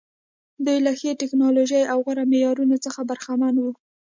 دوی له ښې ټکنالوژۍ او غوره معیارونو څخه برخمن وو.